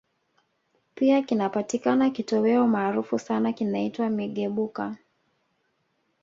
Pia kinapatikana kitoweo maarufu sana kinaitwa Migebuka